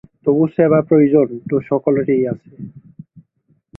তবু সেবার প্রয়োজন তো সকলেরই আছে।